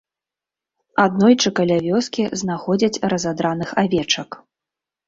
Аднойчы каля вёскі знаходзяць разадраных авечак.